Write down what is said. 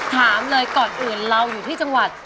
ถามเลยก่อนอื่นเราอยู่ที่จังหวัด